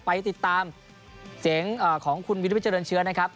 ไปติดตามเสียงของคุณวิรวิทเจริญเชื้อนะครับ